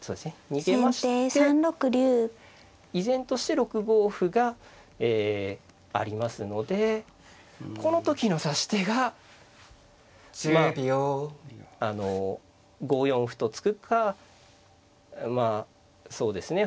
逃げまして依然として６五歩がえありますのでこの時の指し手がまああの５四歩と突くかまあそうですね